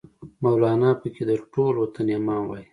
مولانا پکې د ټول وطن امام وای